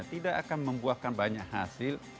tidak akan membuahkan banyak hasil